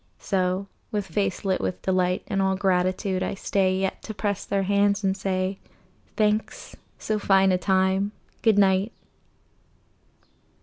So, with face lit with delight And all gratitude, I stay Yet to press their hands and say, "Thanks. So fine a time ! Good night.